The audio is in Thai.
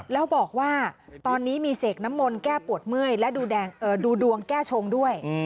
แล้วบอกว่าตอนนี้มีเสกน้ำมนต์แก้ปวดเมื่อยและดูดวงแก้ชงด้วย